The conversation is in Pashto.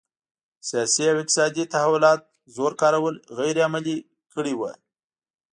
سیاسي او اقتصادي تحولات زور کارول غیر عملي کړي وو.